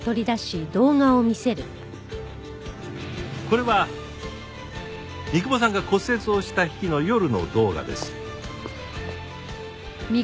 これは三雲さんが骨折をした日の夜の動画です。